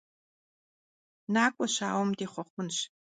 Nak'ue şauem dêxhuexhunş!